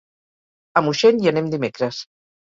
A Moixent hi anem dimecres.